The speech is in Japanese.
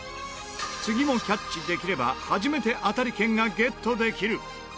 次もキャッチできれば初めて当たり券がゲットできる。